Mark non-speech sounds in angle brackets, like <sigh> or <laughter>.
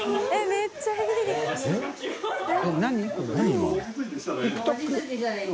めっちゃいい <laughs>